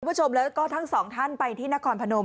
ทุกผู้ชมและทั้ง๒ท่านไปที่นครพนม